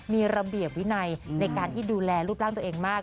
มีระเบียบวินัยในการที่ดูแลรูปร่างตัวเองมาก